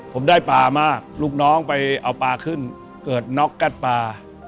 ผมได้ปลามากลูกน้องไปเอาปลาขึ้นเกิดน็อกกัดปลา